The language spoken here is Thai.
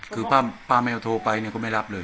คือป้าแมวโทรไปเนี่ยก็ไม่รับเลย